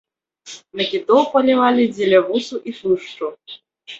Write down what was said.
На кітоў палявалі дзеля вусу і тлушчу.